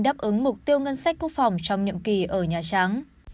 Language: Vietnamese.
đáp ứng mục tiêu ngân sách quốc phòng trong nhiệm kỳ ở nhà trắng